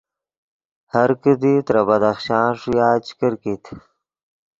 ہر کیدی ترے بدخشان ݰویا چے کرکیت